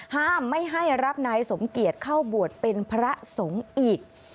ห้ามไม่ให้รับนายสมเกียจเข้าบวชเป็นพระสงฆ์อีก